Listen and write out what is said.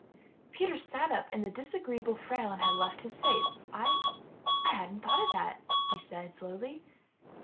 Peter sat up and the disagreeable frown had left his face. "I — I — hadn't thought of that," he said slowly.